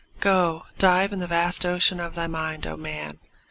Go, dive in the vast ocean of thy mind, O man!